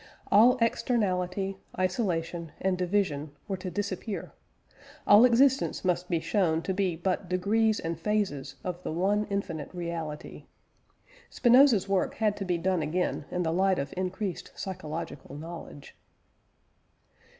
All externality, isolation, and division were to disappear, all existence must be shown to be but degrees and phases of the one infinite reality. Spinoza's work had to be done again in the light of increased psychological knowledge.